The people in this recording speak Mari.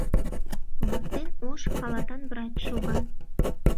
Воктен ош халатан врач шога.